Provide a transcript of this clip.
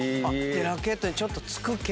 ラケットにちょっと付くけど。